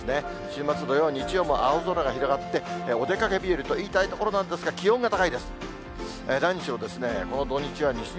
週末土曜、日曜も青空が広がって、お出かけ日和と言いたいところなんですが、気温が高いです。